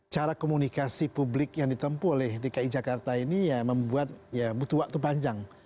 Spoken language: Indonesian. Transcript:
cara komunikasi publik yang ditempu oleh dki jakarta ini ya membuat ya butuh waktu panjang